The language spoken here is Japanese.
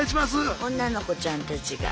あ女の子ちゃんたちが。